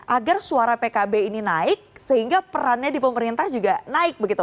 agar suara pkb ini naik sehingga perannya di pemerintah juga naik begitu